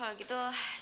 sampai ketemu ya